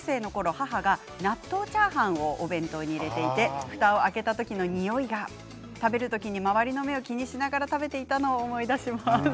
母が納豆チャーハンをお弁当に入れていてふたを開けた時のにおいが食べる時に周りの目を気にしながら食べているのを覚えています。